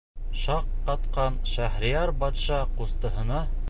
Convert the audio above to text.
Шаҡ ҡатҡан Шәһрейәр батша ҡустыһына: